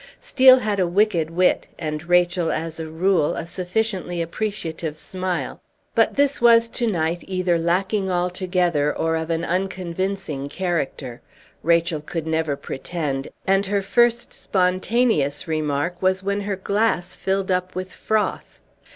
Steel had a wicked wit, and Rachel as a rule a sufficiently appreciative smile, but this was to night either lacking altogether or of an unconvincing character. Rachel could never pretend, and her first spontaneous remark was when her glass filled up with froth.